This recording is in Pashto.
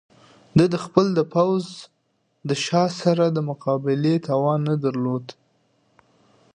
د ده خپل پوځ د شاه سره د مقابلې توان نه درلود.